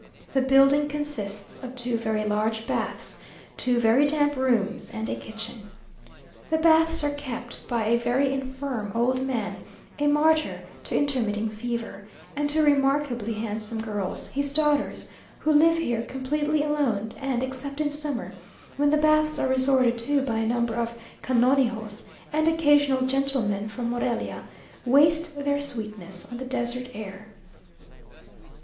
The building consists of two very large baths, two very damp rooms, and a kitchen. The baths are kept by a very infirm old man, a martyr to intermitting fever, and two remarkably handsome girls, his daughters, who live here completely alone, and, except in summer, when the baths are resorted to by a number of canonigos and occasional gentlemen from Morelia, "waste their sweetness on the desert air."